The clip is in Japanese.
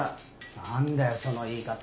何だよその言い方。